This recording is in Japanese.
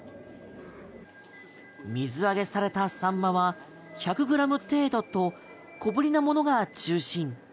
水揚げされたサンマは１００ｇ程度と小ぶりなものが中心。